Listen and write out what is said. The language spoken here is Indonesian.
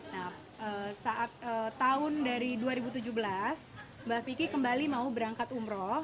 nah saat tahun dari dua ribu tujuh belas mbak vicky kembali mau berangkat umroh